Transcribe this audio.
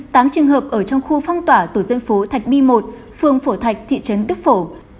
tám trường hợp ở trong khu phong tỏa tổ dân phố thạch bi một phường phổ thạch thị trấn đức phổ